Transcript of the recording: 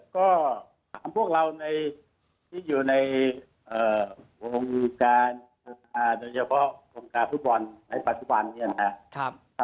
ก็ถามพวกเราในที่อยู่ในวงกาศุกร์โดยเฉพาะวงกาศุกร์ปล่อนในปัจจุบันนี้ครับ